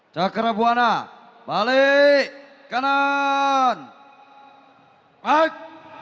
cakrabuana balik kanan maik